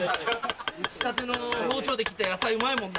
打ちたての包丁で切った野菜うまいもんな。